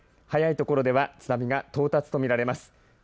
早い所では津波が到達と見られます。